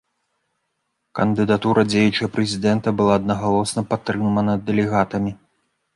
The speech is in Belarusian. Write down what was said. Кандыдатура дзеючага прэзідэнта была аднагалосна падтрымана дэлегатамі.